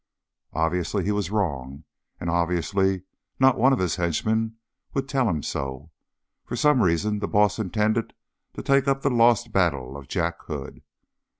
Obviously he was wrong, and obviously not one of his henchmen would tell him so. For some reason the boss intended to take up the lost battle of Jack Hood.